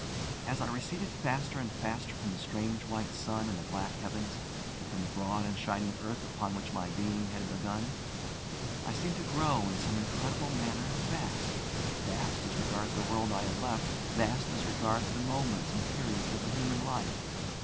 As I receded faster and faster from the strange white sun in the black heavens, and from the broad and shining earth upon which my being had begun, I seemed to grow in some incredible manner vast: vast as regards this world I had left, vast as regards the moments and periods of a human life.